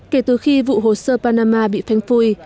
kể từ khi vụ hoser panama bị phanh phui